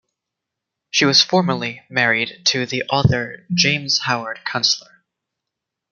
She was formerly married to the author James Howard Kunstler.